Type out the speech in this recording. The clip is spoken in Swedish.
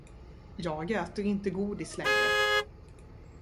Jag äter inte godis längre.